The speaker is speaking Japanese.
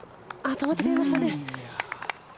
止まってくれましたね。